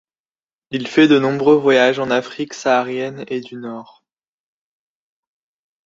Il fait de nombreux voyages en Afrique saharienne et du Nord.